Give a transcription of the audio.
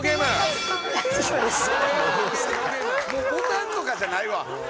ボタンとかじゃないわ。